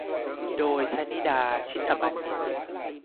โดย ชนิดา ชิตบัณฑิตย์